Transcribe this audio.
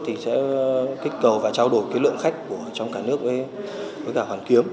thì sẽ kết cầu và trao đổi lượng khách trong cả nước với cả hoàn kiếm